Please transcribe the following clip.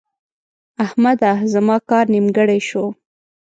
احمده! زما کار نیمګړی شو.